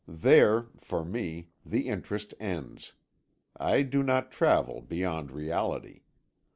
There, for me, the interest ends; I do not travel beyond reality.